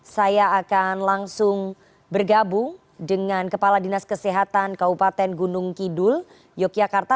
saya akan langsung bergabung dengan kepala dinas kesehatan kabupaten gunung kidul yogyakarta